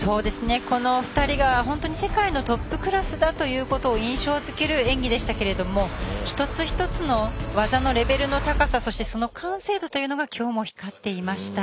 この２人が本当に世界のトップクラスだということを印象づける演技でしたが一つ一つの技のレベルの高さ完成度というのが今日も光っていました。